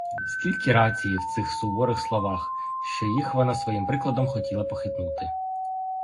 Скільки рації в цих суворих словах, що їх вона своїм прикладом хотіла похитнути!